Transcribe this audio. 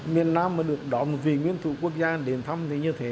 miền nam mà được đón một vị nguyên thủ quốc gia đến thăm thì như thế